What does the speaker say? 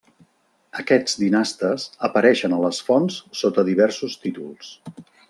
Aquests dinastes apareixen a les fonts sota diversos títols.